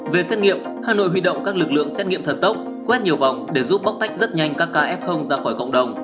về xét nghiệm hà nội huy động các lực lượng xét nghiệm thật tốc quét nhiều vòng để giúp bóc tách rất nhanh các ca f ra khỏi cộng đồng